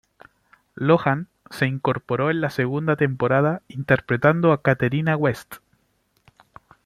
Lohan se incorporó en la segunda temporada interpretando a Katerina West.